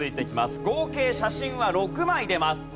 合計写真は６枚出ます。